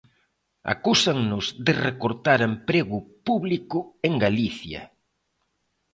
Acúsannos de recortar emprego público en Galicia.